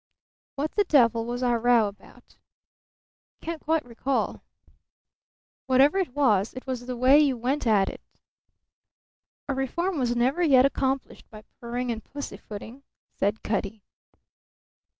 "What the devil was our row about?" "Can't quite recall." "Whatever it was it was the way you went at it." "A reform was never yet accomplished by purring and pussyfooting," said Cutty.